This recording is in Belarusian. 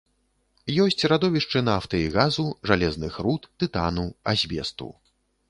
Ёсць радовішчы нафты і газу, жалезных руд, тытану, азбесту.